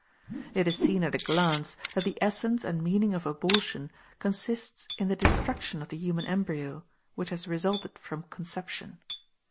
It is seen at a glance that the essence and meaning of abortion consists in the destruction of the human embryo which has resulted from conception.